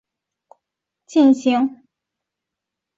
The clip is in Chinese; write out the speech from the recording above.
塑胶模型的开发以及贩售是由寿屋所进行的。